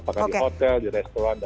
apakah di hotel di restoran